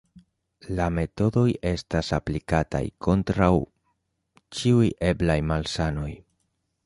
La metodoj estas aplikataj kontraŭ ĉiuj eblaj malsanoj.